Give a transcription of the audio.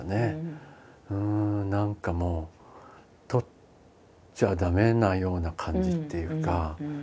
何かもう撮っちゃ駄目なような感じっていうか。